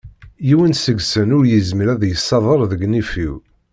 Yiwen seg-sen ur yezmir ad yesader deg nnif-iw.